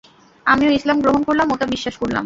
আমিও ইসলাম গ্রহণ করলাম ও তা বিশ্বাস করলাম।